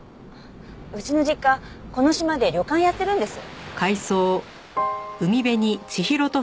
うちの実家この島で旅館やってるんです。